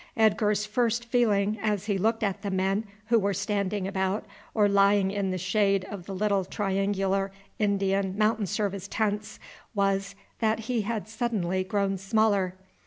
Edgar's first feeling as he looked at the men who were standing about or lying in the shade of the little triangular Indian mountain service tents, was that he had suddenly grown smaller.